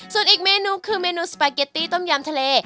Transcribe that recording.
ส่วนอีกเมนูคือเมนูสปาเกตตี้ต้มยำทะเล